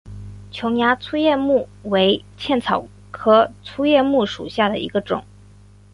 琼崖粗叶木为茜草科粗叶木属下的一个种。